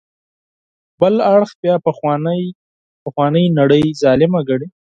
بل اړخ بیا پخوانۍ نړۍ ظالمه ګڼي.